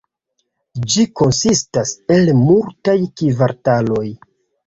Ĝi konsistas el multaj kvartaloj.